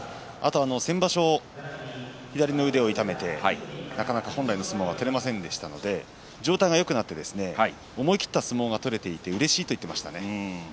先場所、左の腕を痛めてなかなか本来の相撲が取れませんでしたので状態がよくなって思い切った相撲が取れていてうれしいと言っていましたね。